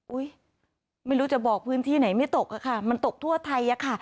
ไม่รู้จะบอกพื้นที่ไหนไม่ตกอะค่ะมันตกทั่วไทยอะค่ะ